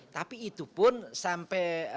tapi itu pun sampai